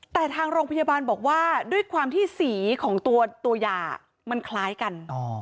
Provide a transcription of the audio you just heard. แต่ทางโรงพยาบาลบอกว่าด้วยความที่สีของตัวยามันคล้ายกัน